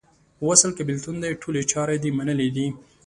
وصل که بیلتون دې ټولي چارې دې منلې دي